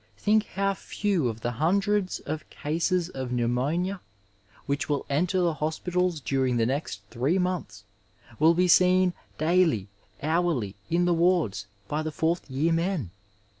Think how few of the hundreds of cases of pneumonia which will enter the hospitals during the next three months, will be seen daily, hourly, in the wards by the fourth year men